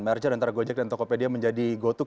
merger antara gojek dan tokopedia menjadi gotuk